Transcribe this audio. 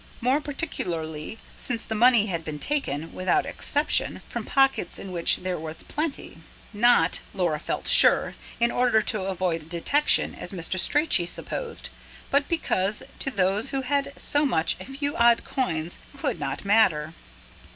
More particularly since the money had been taken, without exception, from pockets in which there was plenty. Not, Laura felt sure, in order to avoid detection, as Mr. Strachey supposed, but because to those who had so much a few odd coins could not matter.